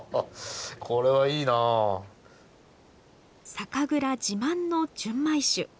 酒蔵自慢の純米酒。